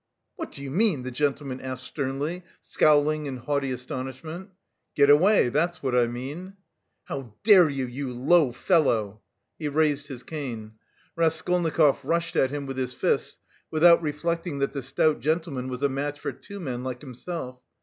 "What do you mean?" the gentleman asked sternly, scowling in haughty astonishment. "Get away, that's what I mean." "How dare you, you low fellow!" He raised his cane. Raskolnikov rushed at him with his fists, without reflecting that the stout gentleman was a match for two men like himself.